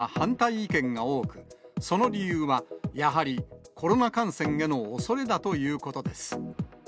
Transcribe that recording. また開催の賛否については反対意見が多く、その理由は、やはりコロナ感染へのおそれだということです。